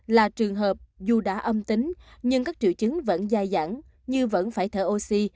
là trường hợp dù đã âm tính nhưng các triệu chứng vẫn dài dãng như vẫn phải thở oxy